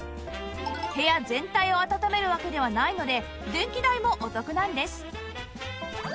部屋全体をあたためるわけではないので電気代もお得なんです